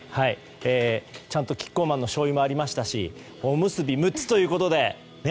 ちゃんとキッコーマンのしょうゆもありましたしおむすび、６つということで。